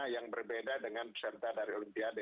yang berbeda dengan peserta dari olimpiade